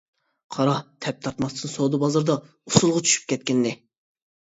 قارا، تەپ تارتماستىن سودا بازىرىدا ئۇسۇلغا چۈشۈپ كەتكىنىنى.